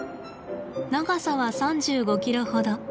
長さは３５キロほど。